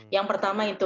yang pertama itu